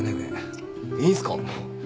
いいんすか？